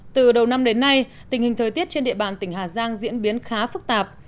từ đầu năm đến nay tình hình thời tiết trên địa bàn tỉnh hà giang diễn biến khá phức tạp